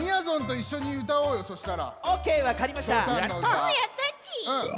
おやったち！